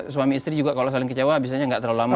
suami istri juga kalau saling kecewa biasanya nggak terlalu lama